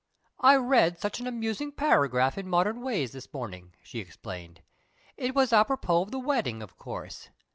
"I read such an amusing paragraph in Modern Ways this morning," she explained. "It was apropos of the wedding, of course.